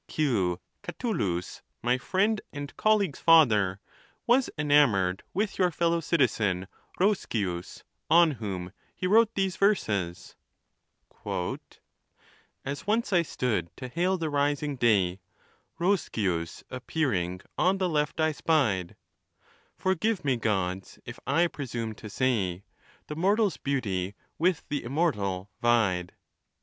Q. Catulus, my friend and colleague's father, was enamored with your fellow citizen Roscius, on whom he wrote these verses : As once I stood to liail the rising day, Koscius appearing on the left I spied : Forgive me, Gods, if I presume to say The mortal's beauty with th' immortal vied.